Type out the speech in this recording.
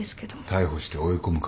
逮捕して追い込むか？